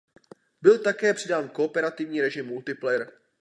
Byl také přidán kooperativní režim multiplayer.